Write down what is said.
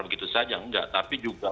begitu saja enggak tapi juga